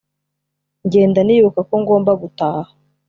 , ngenda nibuka ko ngomba gutaha